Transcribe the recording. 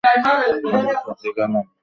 আমি খেতে গেলাম।